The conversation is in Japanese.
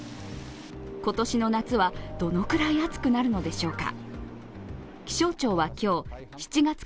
今年の夏はどのくらい暑くなるのでしょうか。